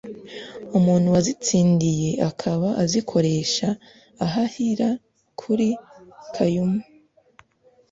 umuntu wazitsindiye akaba azikoresha ahahira kuri Kaymu